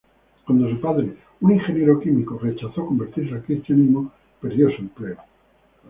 Cuando su padre, un ingeniero químico, rechazó convertirse al cristianismo, perdió su empleo.